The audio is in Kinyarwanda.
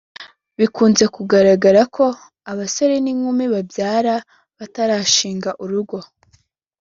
Bikunze kugaragara ko abasore n’inkumi babyara batarashinga urugo